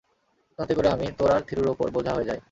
তাতে করে আমি তোর আর থিরুর ওপর বোঝা হয়ে যাই।